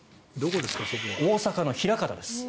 大阪の枚方です。